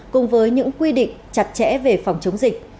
cùng với những quy định chặt chẽ về phòng chống dịch